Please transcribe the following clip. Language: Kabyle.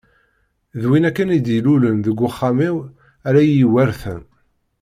D win akken i d-ilulen deg uxxam-iw ara yi-iweṛten.